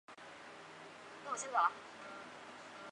县名来自波尼族印第安人。